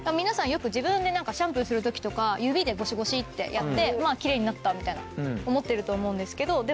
皆さんよく自分でシャンプーする時とか指でゴシゴシってやってきれいになったみたいな思ってると思うんですけど。